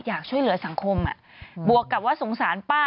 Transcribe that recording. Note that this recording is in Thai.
อยากช่วยเหลือสังคมบวกกับว่าสงสารป้า